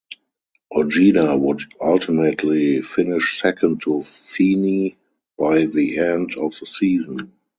Ojeda would ultimately finish second to Feeney by the end of the season.